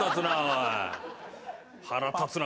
腹立つな。